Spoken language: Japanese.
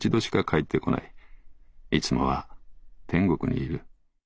いつもは天国にいる。